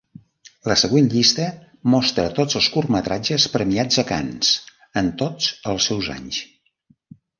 La següent llista mostra tots els curtmetratges premiats a Canes en tots els seus anys.